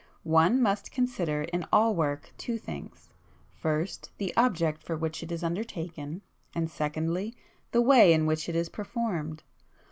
One must consider in all work two things; first, the object for which it is undertaken, and secondly the way in which it is performed.